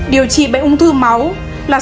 điều trị bệnh ung thư máu là